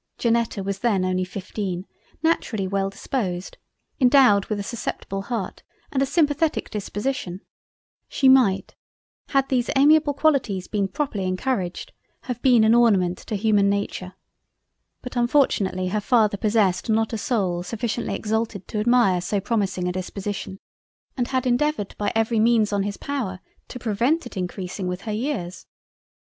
Janetta was then only fifteen; naturally well disposed, endowed with a susceptible Heart, and a simpathetic Disposition, she might, had these amiable qualities been properly encouraged, have been an ornament to human Nature; but unfortunately her Father possessed not a soul sufficiently exalted to admire so promising a Disposition, and had endeavoured by every means on his power to prevent it encreasing with her Years.